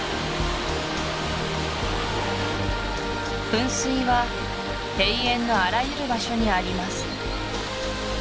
噴水は庭園のあらゆる場所にあります